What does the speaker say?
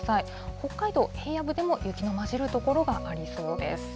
北海道、平野部でも雪の交じる所がありそうです。